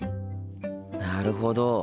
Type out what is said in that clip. なるほど。